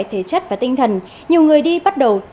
thể chất và tinh thần nhiều người đi bắt đầu